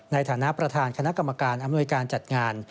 ในฐานะประธานคณะกรรมการอำนวยการจัดงาน